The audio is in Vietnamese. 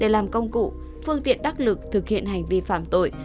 để làm công cụ phương tiện đắc lực thực hiện hành vi phạm tội